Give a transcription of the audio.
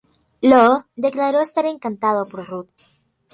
Law declaró estar encantado por Ruud.